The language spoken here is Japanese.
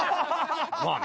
まあね。